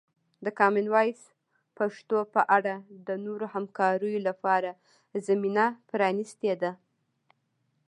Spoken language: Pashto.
د کامن وایس پښتو په اړه د نورو همکاریو لپاره زمینه پرانیستې ده.